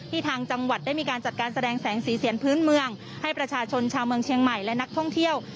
ทางจังหวัดได้มีการจัดการแสดงแสงสีเสียงพื้นเมืองให้ประชาชนชาวเมืองเชียงใหม่และนักท่องเที่ยว